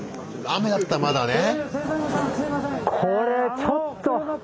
雨だったらまだね。